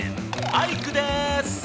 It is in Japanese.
アイクです！